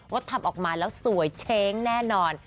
ทำออกมาแล้วสวยเช้งแน่นอน